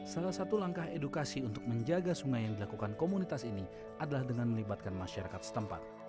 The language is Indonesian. salah satu langkah edukasi untuk menjaga sungai yang dilakukan komunitas ini adalah dengan melibatkan masyarakat setempat